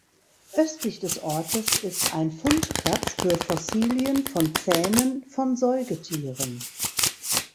Östlich des Ortes ist ein Fundplatz für Fossilien von Zähnen von Säugetieren.